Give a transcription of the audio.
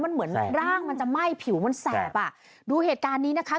มันเหมือนร่างมันจะไหม้ผิวมันแสบอ่ะดูเหตุการณ์นี้นะคะ